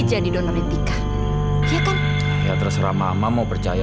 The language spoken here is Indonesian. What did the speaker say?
jadi donor intika ya kan ya terserah mama mau percaya